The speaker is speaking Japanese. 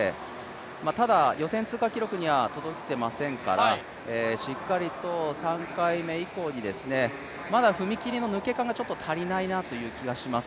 ただ、予選通過記録には届いていませんからしっかり３回目以降にまだ踏み切りの抜け感が足りないと感じます。